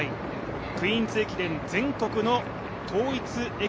クイーンズ駅伝全国の統一駅